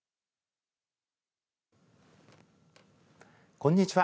こんにちは。